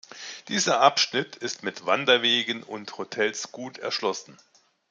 Dieser Abschnitt ist mit Wanderwegen und Hotels gut erschlossen.